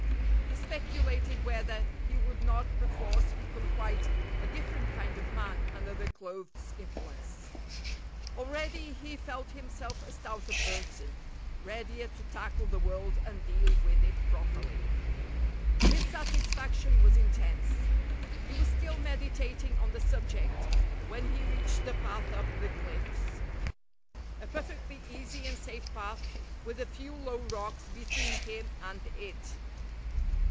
He speculated whether he would not perforce become quite a different kind of man under the clothes' influence. Already he felt himself a stouter person, readier to tackle the world and deal with it properly. His satisfaction was intense. He was still meditating on the subject when he reached the path up the cliffs; a perfectly easy and safe path with a few low rocks between him and it.